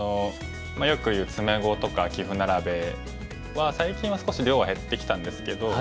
よくいう詰碁とか棋譜並べは最近は少し量が減ってきたんですけど。